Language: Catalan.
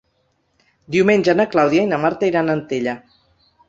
Diumenge na Clàudia i na Marta iran a Antella.